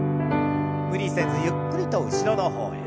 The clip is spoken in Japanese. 無理せずゆっくりと後ろの方へ。